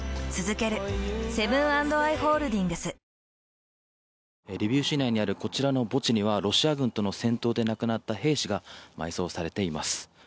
安全なところへ避難するためにリビウ市内にあるこちらの墓地にはロシア軍との戦闘で亡くなった兵士が埋葬されています。